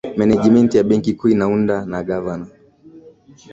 menejimenti ya benki kuu inaundwa na gavana